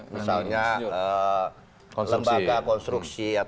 misalnya lembaga konstruksi